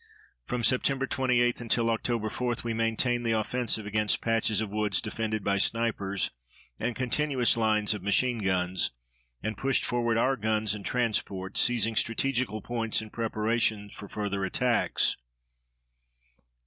From Sept. 28 until Oct. 4 we maintained the offensive against patches of woods defended by snipers and continuous lines of machine guns, and pushed forward our guns and transport, seizing strategical points in preparation for further attacks.